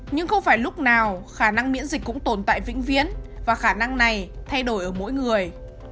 nhưng không phải lúc nào khả năng miễn dịch cũng tồn tại vĩnh viễn và khả năng này thay đổi ở mỗi người